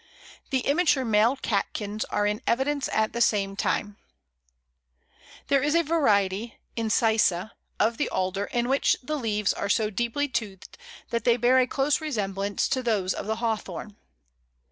The immature male catkins are in evidence at the same time. There is a variety (incisa) of the Alder in which the leaves are so deeply toothed that they bear a close resemblance to those of the Hawthorn.